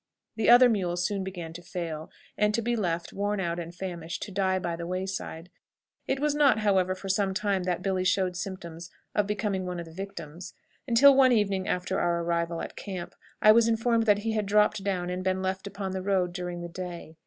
The other mules soon began to fail, and to be left, worn out and famished, to die by the wayside; it was not, however, for some time that Billy showed symptoms of becoming one of the victims, until one evening after our arrival at camp I was informed that he had dropped down and been left upon the road during the day.